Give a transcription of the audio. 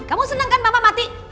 kamu seneng kan mama mati